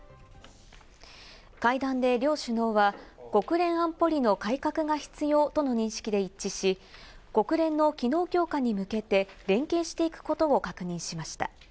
会談で両首脳は、国連安保理の改革が必要との認識で一致し、国連の機能強化に向けて、連携していくことを確認しました。